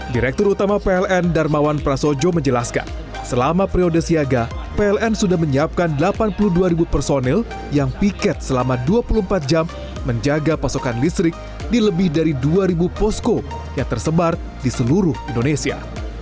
direktur utama pln darmawan prasojo menjelaskan selama periode siaga pln sudah menyiapkan delapan puluh dua personil yang piket selama dua puluh empat jam menjaga pasokan listrik di lebih dari dua posko yang tersebar di seluruh indonesia